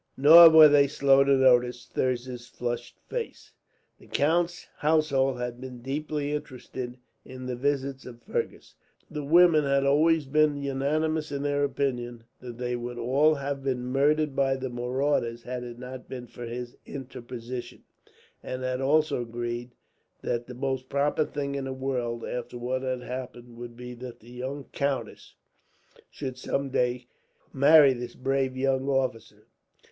Nor were they slow to notice Thirza's flushed face. The count's household had been deeply interested in the visits of Fergus. The women had always been unanimous in their opinion that they would all have been murdered by the marauders, had it not been for his interposition; and had also agreed that the most proper thing in the world, after what had happened, would be that the young countess should someday marry this brave young officer.